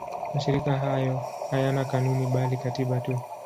Mashirika hayo hayana kanuni bali katiba tu.